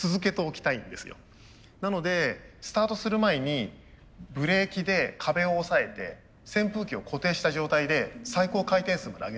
なのでスタートする前にブレーキで壁を押さえて扇風機を固定した状態で最高回転数まで上げています。